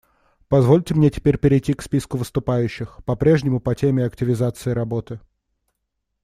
Позвольте мне теперь перейти к списку выступающих — по-прежнему по теме активизации работы.